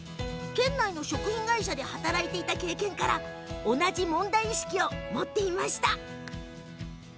県内の食品会社で働いていた経験から同じ問題意識を持っていました。